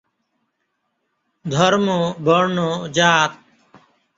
ধর্ম, বর্ণ, জাত!